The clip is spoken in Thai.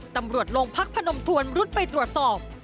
ตำรวจโรงพักพนมทวนรุดไปตรวจสอบ